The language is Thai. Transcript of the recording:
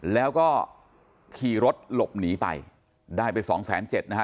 แล้วก็ขี่รถหลบหนีไปได้ไปสองแสนเจ็ดนะฮะ